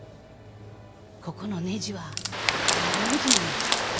ここのねじはええねじなんや。